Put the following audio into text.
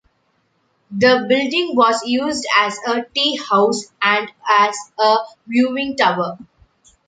The building was used as a teahouse and as a viewing-tower.